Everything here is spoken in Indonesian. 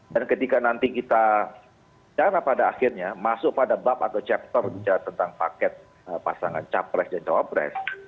dan ketika nanti kita janganlah pada akhirnya masuk pada bab atau chapter bicara tentang paket pasangan capres dan cawapres